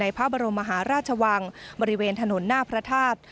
พระบรมมหาราชวังบริเวณถนนหน้าพระธาตุ